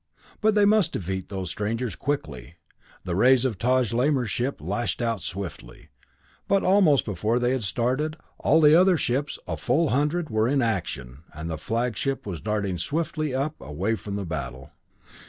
They must defeat those strangers quickly. The rays of Taj Lamor's ship lashed out swiftly, but almost before they had started, all the other ships, a full hundred, were in action, and the flagship was darting swiftly up and away from the battle.